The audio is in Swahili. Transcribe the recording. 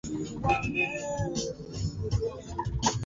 Kutumika na banamuke ni muzuri sana